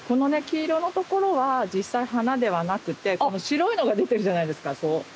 黄色のところは実際花ではなくてこの白いのが出てるじゃないですか。